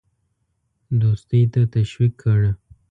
دوستی ته تشویق کړ.